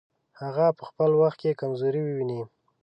هغه په خپل وخت کې کمزوري وویني.